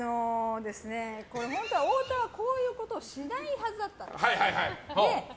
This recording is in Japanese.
これ本当は太田がこういうことをしないはずだったんです。